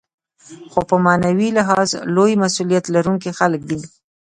خو په معنوي لحاظ لوی مسوولیت لرونکي خلک دي.